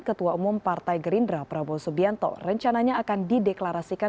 ketua umum partai gerindra prabowo subianto rencananya akan dideklarasikan